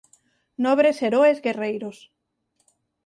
Nobres heroes guerreiros.